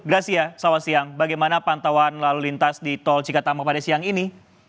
grasy ya sawas siang bagaimana pantauan lalu lintas di tol cikatama pada siang ini